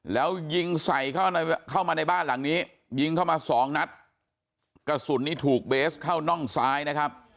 แล้วยิงใส่เข้ามาในบ้านหลังนี้ยิงเข้ามาสองนัดกระสุนนี้ถูกเบสเข้าน่องซ้ายนะครับ